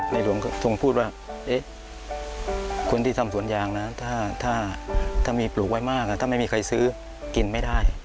หลวงทรงพูดว่าคนที่ทำสวนยางนะถ้ามีปลูกไว้มากถ้าไม่มีใครซื้อกินไม่ได้